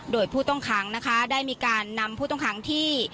โดยผู้ต้องขังนะคะได้มีการนำผู้ต้องขังที่